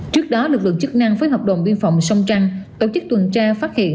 trước đó lực lượng chức năng phối hợp đồn biên phòng sông trăng tổ chức tuần tra phát hiện